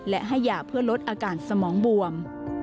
และให้ยาเพื่อลดอาการสมองบวม